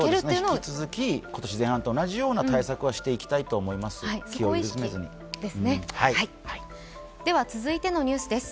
引き続き、今年前半と同じ対策はしていきたいと思います、気を緩めずに。